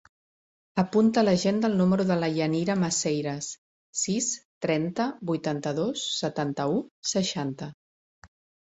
Apunta a l'agenda el número de la Yanira Maceiras: sis, trenta, vuitanta-dos, setanta-u, seixanta.